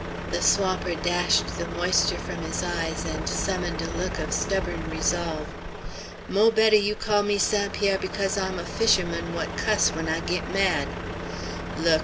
The swamper dashed the moisture from his eyes and summoned a look of stubborn resolve. "Mo' better you call me St. Pierre because I'm a fisherman what cuss when I git mad. Look!